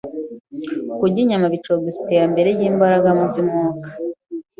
Kurya inyama bicogoza iterambere ry’imbaraga mu by’umwuka